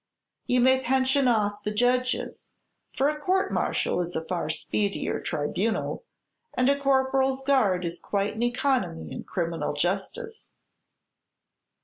You may pension off the judges; for a court martial is a far speedier tribunal, and a corporal's guard is quite an economy in criminal justice.